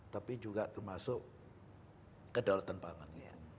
tapi juga termasuk kedaulatan pangan